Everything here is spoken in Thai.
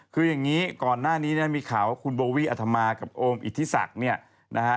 คืออย่างนี้ก่อนหน้านี้เนี่ยมีข่าวว่าคุณโบวี่อัธมากับโอมอิทธิศักดิ์เนี่ยนะฮะ